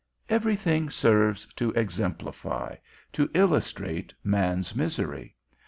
Every thing serves to exemplify, to illustrate man's misery.